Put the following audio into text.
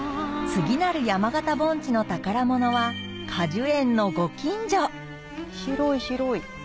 次なる山形盆地の宝物は果樹園のご近所広い広い。